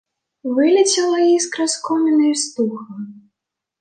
Вылецела іскра з коміна і стухла.